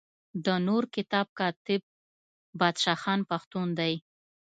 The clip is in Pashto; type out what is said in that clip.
د نور کتاب کاتب بادشاه خان پښتون دی.